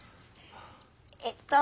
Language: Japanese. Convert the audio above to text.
えっと